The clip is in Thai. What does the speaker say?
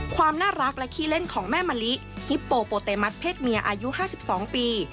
ความน่ารักและขี้เล่นของแม่มะลิฮิปโปโปเตมัสเพศเมียอายุ๕๒ปี